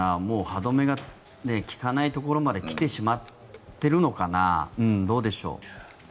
もう歯止めが利かないところまで来てしまっているのかなどうでしょう。